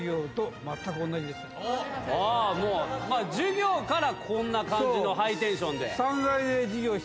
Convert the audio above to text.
授業からこんな感じのハイテンションで。